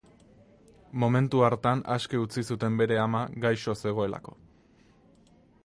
Momentu hartan aske utzi zuten bere ama gaixo zegoelako.